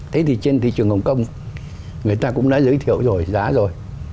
thế thì trên thị trường hồng kông người ta cũng đã giới thiệu rồi giá rồi